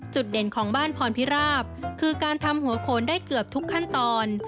เด่นของบ้านพรพิราบคือการทำหัวโขนได้เกือบทุกขั้นตอน